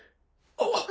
あっ。